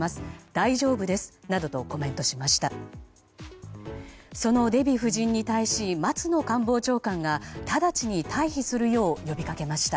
大丈夫です、などとコメントしました。